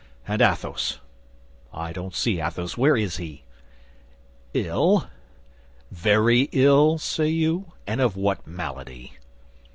And Athos—I don't see Athos. Where is he?" "Ill—" "Very ill, say you? And of what malady?"